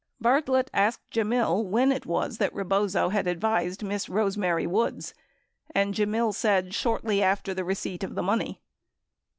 Bartlett asked Gemmill when it was that Rebozo had advised Miss Rose Mary Woods, and Gemmill said "shortly after receipt of the money."